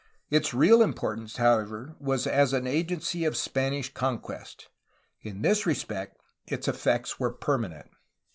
Its real importance, however, was as an agency of Spanish conquest. In this respect its'effects were permanent.